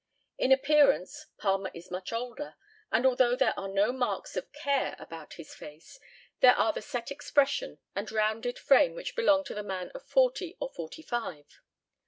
In appearance Palmer is much older, and, although there are no marks of care about his face, there are the set expression and rounded frame which belong to the man of forty or forty five.